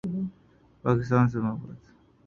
پاکستان سے محبت